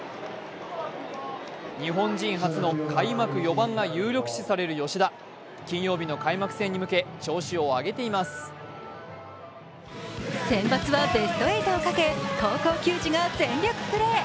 日本人初の開幕４番が有力視される吉田金曜日の開幕戦に向け、センバツはベスト８をかけ高校球児が全力プレー。